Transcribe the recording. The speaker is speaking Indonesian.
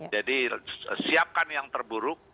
jadi siapkan yang terburuk